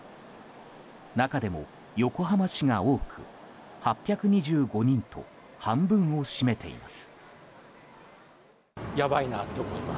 中でも横浜市が多く８２５人と半分を占めています。